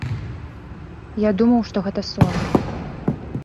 Я думаў, што гэта сон.